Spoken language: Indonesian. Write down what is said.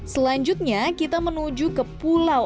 selanjutnya kita menuju ke pulau